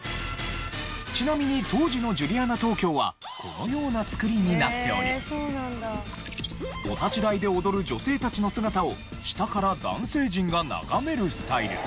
ちなみに当時のジュリアナ東京はこのような作りになっておりお立ち台で踊る女性たちの姿を下から男性陣が眺めるスタイル。